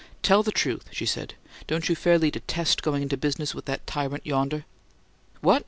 "Tell the truth," she said. "Don't you fairly detest going into business with that tyrant yonder?" "What?